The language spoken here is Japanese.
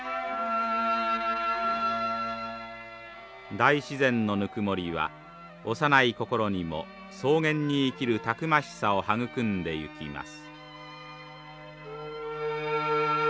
大自然のぬくもりは幼い心にも草原に生きるたくましさを育んでいきます。